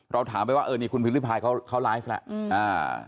เราถามไปว่าเออนี่คุณพิมพ์ริพายเขาเขาไลฟ์แหละอืมอ่า